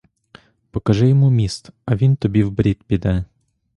Покажи йому міст, а він тобі вбрід піде.